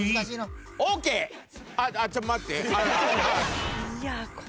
あ、ちょっと待って。